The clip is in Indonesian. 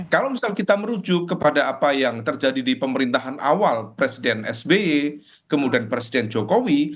kalau misal kita merujuk kepada apa yang terjadi di pemerintahan awal presiden sby kemudian presiden jokowi